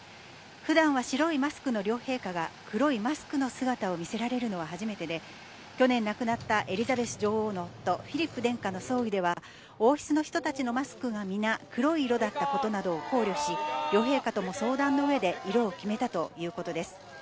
ふだんは白いマスクの両陛下が、黒いマスクの姿を見せられるのは初めてで、去年亡くなったエリザベス女王の夫、フィリップ殿下の葬儀では王室の人たちのマスクが皆、黒い色だったことなどを考慮し、両陛下とも相談のうえで色を決めたということです。